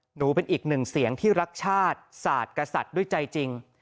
หนูเป็นอีกหนึ่งเสียงที่รักชาติสาดกระสัดด้วยใจจริง